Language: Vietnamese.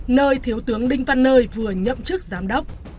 nơi thiếu tướng đinh văn nơi vừa nhậm chức giám đốc